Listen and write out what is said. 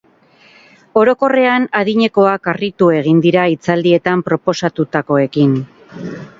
Orokorrean, adinekoak harritu egin dira hitzaldietan proposatutakoekin.